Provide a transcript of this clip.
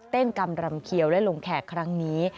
กำรำเขียวและลงแขกครั้งนี้